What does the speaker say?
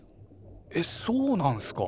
えっそうなんすか？